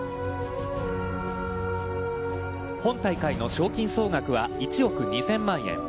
本大会の賞金総額は１億２０００万円。